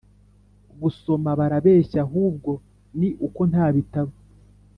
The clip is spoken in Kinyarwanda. gusoma barabeshya, ahubwo ni uko nta bitabo